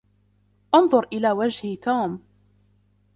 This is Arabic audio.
أنظر إلى وجه توم.